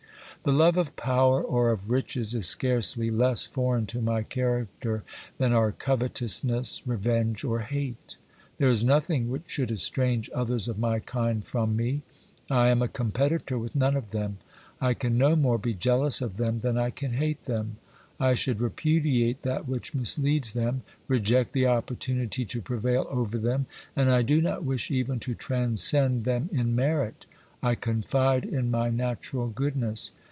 The love of power or of riches is scarcely less foreign to my character than are covetousness, revenge, or hate. There is nothing which should estrange others of my kind from me ; I am a competitor with none of them ; I can no more be jealous of them than I can hate them ; I should repudiate that which misleads them, reject the opportunity to prevail over them, and I do not wish even to transcend them in merit. I confide in my natural goodness.